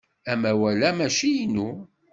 Amawal-a mačči inu.